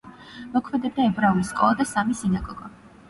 მოქმედებდა ებრაული სკოლა და სამი სინაგოგა.